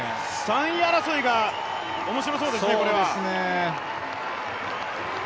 ３位争いがおもしろそうですね、これは。